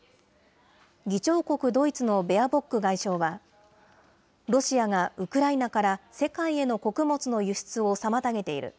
議長国ドイツのベアボック外相は、ロシアが、ウクライナから世界への穀物の輸出を妨げている。